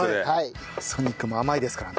ソニックも甘いですからね。